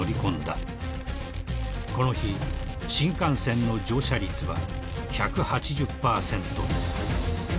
［この日新幹線の乗車率は１８０％］